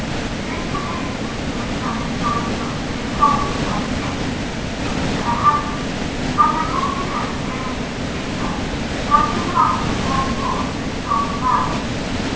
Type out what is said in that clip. Jason hastened to return in joyous mood to his comrades and the ship, she to her handmaids; and they all together came near to meet her, but she marked them not at all as they thronged around.